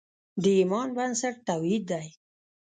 د ایمان بنسټ توحید دی.